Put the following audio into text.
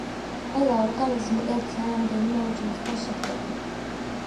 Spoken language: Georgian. ყველა ორგანიზმი ერთი ან რამდენიმე უჯრედისგან შედგება.